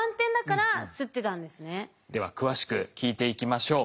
では詳しく聞いていきましょう。